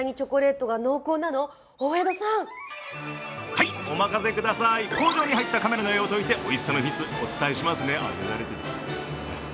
はい、お任せください、工場に入ったカメラの絵を解いておいしさの秘密、お伝えしますね。